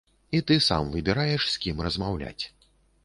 І ты сам выбіраеш, з кім размаўляць.